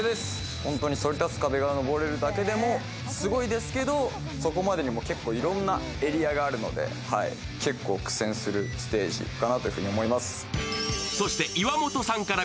本当にそりたつ壁が登れるだけでもすごいですけど、そこまでにも結構いろんなエリアがあるので、結構苦戦するステージかなと思います。